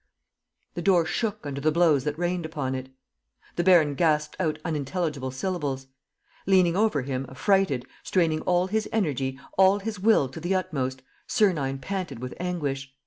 ..." The door shook under the blows that rained upon it. The baron gasped out unintelligible syllables. Leaning over him, affrighted, straining all his energy, all his will to the utmost, Sernine panted with anguish.